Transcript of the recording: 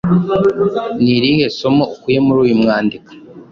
Ni irihe somo ukuye muri uyu mwandiko?